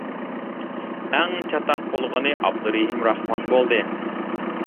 ئەڭ چاتاق بولغىنى ئابدۇرېھىم راخمان بولدى.